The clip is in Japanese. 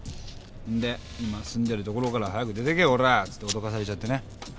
で「今住んでる所から早く出てけオラー！」って脅かされちゃってね。